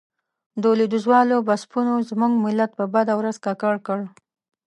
د لوېديځوالو بسپنو زموږ ملت په بده ورځ ککړ کړ.